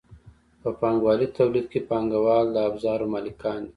په پانګوالي تولید کې پانګوال د ابزارو مالکان دي.